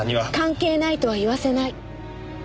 関係ないとは言わせない！